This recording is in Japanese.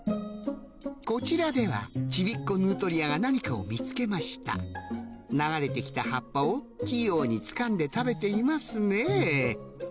こちらではちびっ子ヌートリアが何かを見つけました流れて来た葉っぱを器用につかんで食べていますねぇ